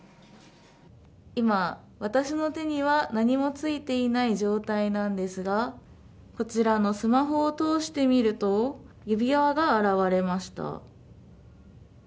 今、私の手には何もついていない状態なんですがこちらのスマホをとおして見ると指輪が現れました。